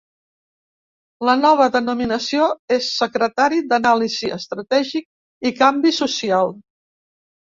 La nova denominació és secretari d’anàlisi estratègic i canvi social.